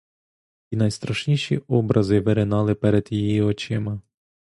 І найстрашніші образи виринали перед її очима.